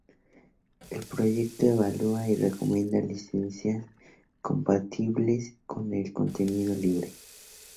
El proyecto evalúa y recomienda licencias compatibles con el contenido libre.